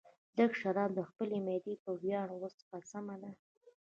لږ شراب د خپلې معدې په ویاړ وڅښه، سمه ده.